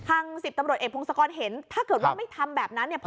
๑๐ตำรวจเอกพงศกรเห็นถ้าเกิดว่าไม่ทำแบบนั้นเนี่ย